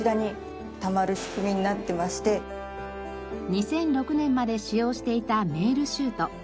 ２００６年まで使用していたメールシュート。